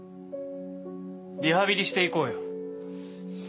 リハビリしていこうよ